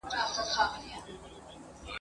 پلار نیکه او ورنیکه مي ټول ښکاریان وه ..